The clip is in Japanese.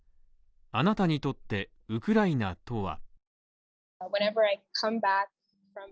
あなたにとってウクライナとは？